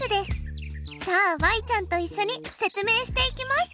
さあちゃんといっしょに説明していきます。